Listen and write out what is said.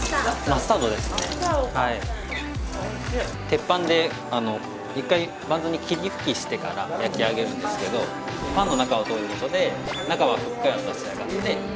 鉄板で一回バンズに霧吹きしてから焼き上げるんですけどパンの中を通ることで中はふっくらと仕上がって。